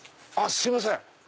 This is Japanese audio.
すいません。